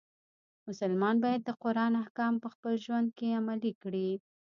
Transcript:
مسلمان باید د قرآن احکام په خپل ژوند کې عملی کړي.